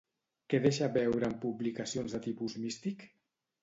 Què deixa veure en publicacions de tipus místic?